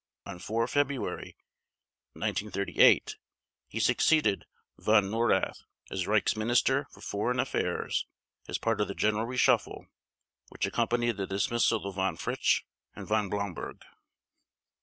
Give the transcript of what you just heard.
On 4 February 1938 he succeeded Von Neurath as Reichsminister for Foreign Affairs as part of the general reshuffle which accompanied the dismissal of Von Fritsch and Von Blomberg.